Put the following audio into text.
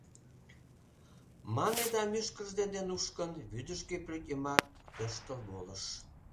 — мане да, мӱшкыржӧ дене нушкын, вӱдыжгӧ пӧртйымак тӧрштыл волыш.